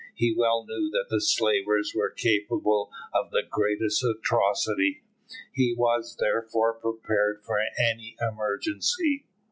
He well knew that the slavers were capable of the greatest atrocity. He was, therefore, prepared for any emergency.